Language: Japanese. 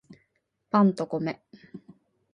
パンと米